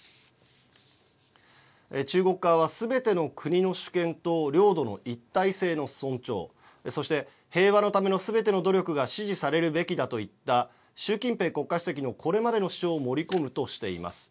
中国側はすべての国の主権と領土の一体性の尊重そして平和のためのすべての努力が支持されるべきだといった習近平国家主席のこれまでの主張を盛り込むとしています。